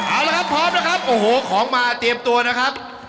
เอาละครับพร้อมนะครับโอ้โหของมาเตรียมตัวนะครับ